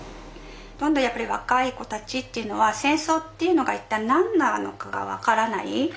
やっぱり若い子たちっていうのは戦争っていうのが一体何なのかが分からない。